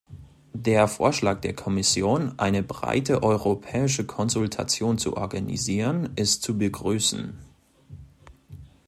Der Vorschlag der Kommission, eine breite europäische Konsultation zu organisieren, ist zu begrüßen.